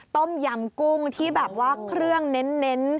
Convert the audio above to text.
ต้มยำกุ้งที่แบบว่าเครื่องเน้น